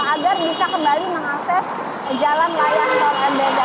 agar bisa kembali mengakses jalan layang tol mbz